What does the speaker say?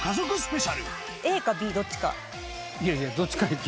いやいや。